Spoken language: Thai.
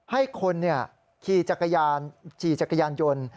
ให้คนขี่จักรยานยนต์